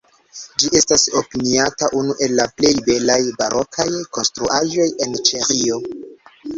Ĝi estas opiniata unu el la plej belaj barokaj konstruaĵoj en Ĉeĥio.